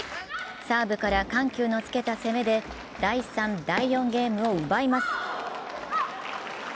サーブから緩急をつけた攻めで第３、第４ゲームを奪います。